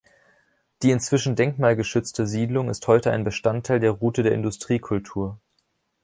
Die inzwischen denkmalgeschützte Siedlung ist heute ein Bestandteil der Route der Industriekultur.